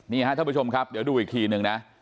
นี่ครับท่านผู้ชมครับเดี๋ยวดูอีกทีหนึ่งนะ